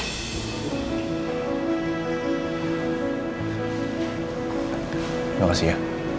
terima kasih ya